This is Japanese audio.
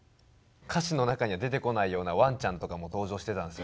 歌詞の中には出てこないようなワンちゃんとかも登場してたんですよ。